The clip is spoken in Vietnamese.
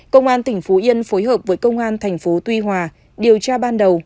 công an tỉnh phú yên phối hợp với công an thành phố tuy hòa điều tra ban đầu